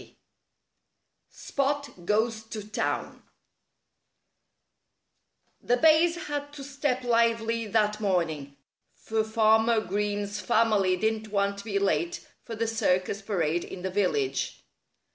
XX SPOT GOES TO TOWN The bays had to step lively that morning, for Farmer Green's family didn't want to be late for the circus parade in the village.